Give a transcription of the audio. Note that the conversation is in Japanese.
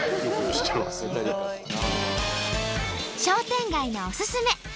商店街のおすすめ。